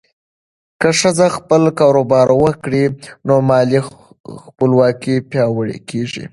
که ښځه خپل کاروبار وکړي، نو مالي خپلواکي پیاوړې کېږي.